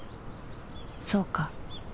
そうか